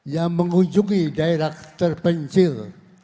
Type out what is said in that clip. yang mengunjungi daerah terpencil